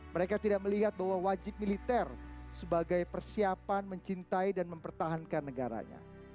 mereka tidak melihat bahwa wajib militer sebagai persiapan mencintai dan mempertahankan negaranya